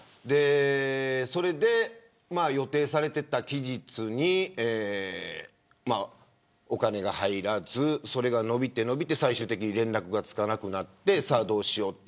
それで、予定されていた期日にお金が入らず、それが延びて最終的に連絡がつかなくなりさあ、どうしようと。